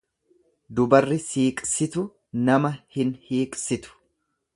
Dubarri siiqsitu nama hin hiiqsitu.